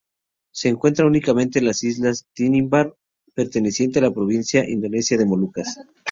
Se encuentra únicamente en las islas Tanimbar, perteneciente a la provincia indonesia de Molucas.